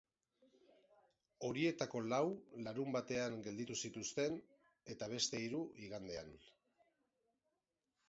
Horietako lau larunbatean gelditu zituzten, eta beste hiru, igandean.